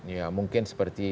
ya mungkin seperti